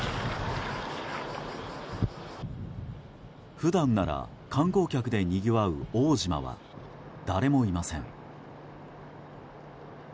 普段なら観光客でにぎわう奥武島は誰もいません。